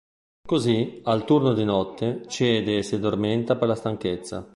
Così, al turno di notte, cede e si addormenta per la stanchezza.